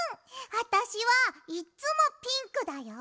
わたしはいっつもピンクだよ。